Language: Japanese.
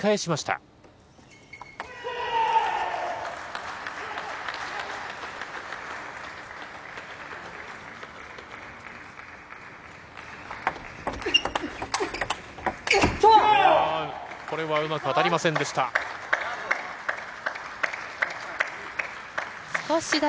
これはうまく当たりませんでした。